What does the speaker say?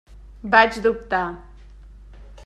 Vaig dubtar.